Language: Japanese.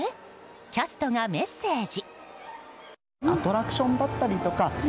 キャストがメッセージ。